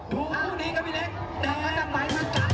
โปรดติดตามต่อไป